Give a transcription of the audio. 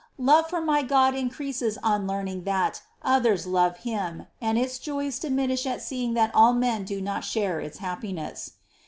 Love for my God increases on learning that others love Him, and its joys diminish at seeing that all men do not share its happiness.